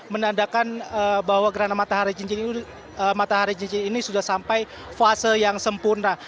menandakan bahwa gerhana matahari matahari cincin ini sudah sampai fase yang sempurna